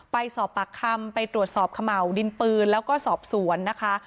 ไปสอบปากคำไปตรวจสอบเขม่าวดินปืนแล้วก็สอบสวนนะคะ